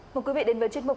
một quý vị đến với chuyên mục